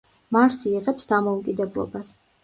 მარსი იღებს დამოუკიდებლობას.